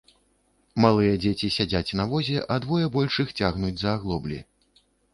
Малыя дзеці сядзяць на возе, а двое большых цягнуць за аглоблі.